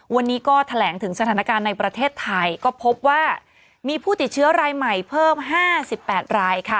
วันนี้ก็แถลงถึงสถานการณ์ในประเทศไทยก็พบว่ามีผู้ติดเชื้อรายใหม่เพิ่ม๕๘รายค่ะ